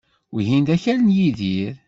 Wihin d akal n Yidir.